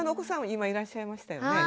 今いらっしゃいましたよね。